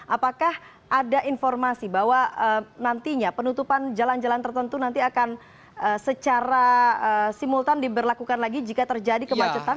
apakah ada informasi bahwa nantinya penutupan jalan jalan tertentu nanti akan secara simultan diberlakukan lagi jika terjadi kemacetan